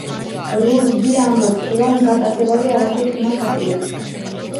რუბი ამბობს, რომ გატაცებაზე არაფრის თქმას აპირებს.